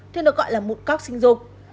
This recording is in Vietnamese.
thì được gọi là mụn cóc sinh dục